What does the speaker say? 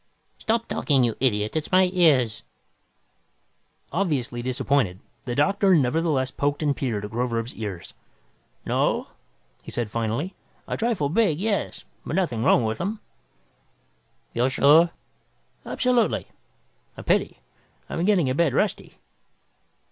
"Stop talking, you idiot, it's my ears!" Obviously disappointed, the doctor nevertheless poked and peered at Groverzb's ears. "No," he said finally. "A trifle big, yes. But nothing wrong with them." "You're sure?" "Absolutely. A pity. I'm getting a bit rusty."